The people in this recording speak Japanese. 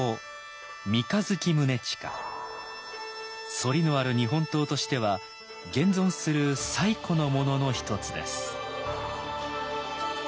「反り」のある日本刀としては現存する最古のものの一つです。